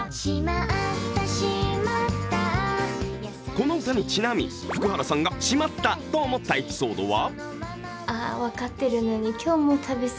この歌にちなみ、福原さんがしまったと思ったエピソードは？